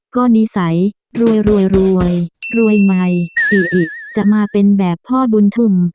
ก็นิสัยรวยรวยใหม่อิอิจะมาเป็นแบบพ่อบุญธุม